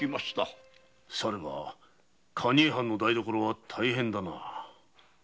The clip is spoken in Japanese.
されば蟹江藩の台所は大変だな。